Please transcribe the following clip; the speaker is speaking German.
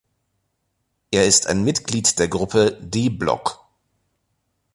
Er ist ein Mitglied der Gruppe D-Block.